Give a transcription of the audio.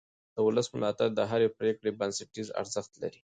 د ولس ملاتړ د هرې پرېکړې بنسټیز ارزښت لري